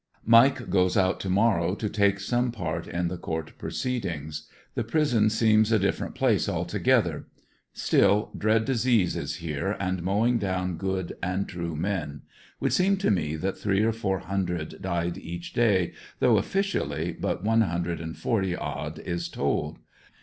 Mike goes out to morrow to take some part in the court proceedings. The prison seems a different place altogether; still, dread disease is here, and mowing down good and true men. Would seem to me that three or four hundred died each day, though officially but one hundred and forty odd is told.